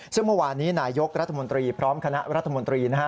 ซึ่งเมื่อวานนี้นายกรัฐมนตรีพร้อมคณะรัฐมนตรีนะฮะ